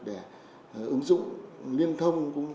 để ứng dụng liên thông